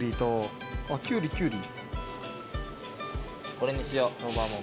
これにしよう。